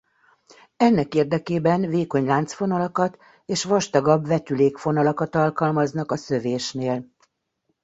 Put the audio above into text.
Ennek érdekében vékony láncfonalakat és vastagabb vetülékfonalakat alkalmaznak a szövésnél.